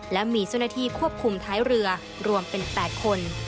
และมีเจ้าหน้าที่ควบคุมท้ายเรือรวมเป็น๘คน